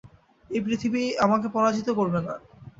এই পৃথিবী আমাকে পরাজিত করবে না!